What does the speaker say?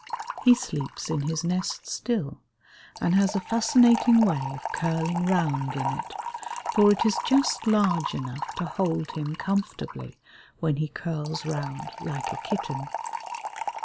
He sleeps in his nest still, and has a fascinating way of curling round in it, for it is just large enough to hold him comfortably when he curls round like a kitten.